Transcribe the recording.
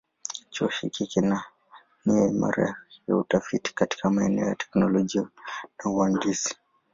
Chuo hiki kina nia imara ya utafiti katika maeneo ya teknolojia na uhandisi.